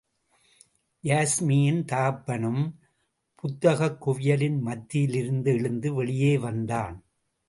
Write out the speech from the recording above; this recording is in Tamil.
யாஸ்மியின் தகப்பனும், புத்தகக் குவியலின் மத்தியிலிருந்து எழுந்து வெளியே வந்தான்.